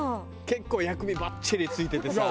結構薬味バッチリついててさ。